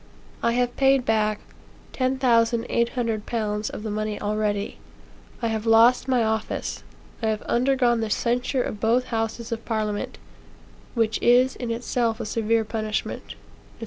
I have paid back 10,800 pounds of the money already; I have lost my office; I have undergone the censure of both houses of Parliament, which is in itself a severe punishment,' "&c.